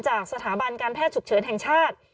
สถาบันการแพทย์ฉุกเฉินแห่งชาติ